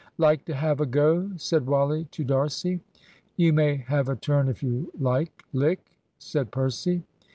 "Like to have a go!" said Wally to D'Arcy. "You may have a turn if you like, Lick," said Percy.